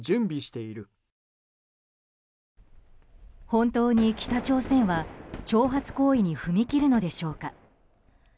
本当に北朝鮮は、挑発行為に踏み切るのでしょうか。